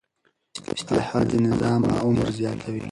اصلاحات د نظام عمر زیاتوي